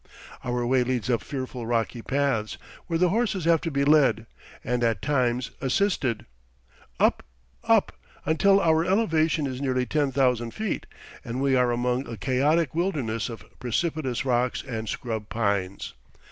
Our way leads up fearful rocky paths, where the horses have to be led, and at times assisted; up, up, until our elevation is nearly ten thousand feet, and we are among a chaotic wilderness of precipitous rocks and scrub pines.